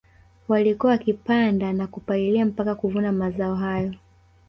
Walikuwa wakipanda na kupalilia mpaka kuvuna mazao hayo